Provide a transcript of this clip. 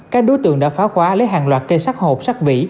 các đối tượng đã pháo khóa lấy hàng loạt cây sắc hộp sắc vỉ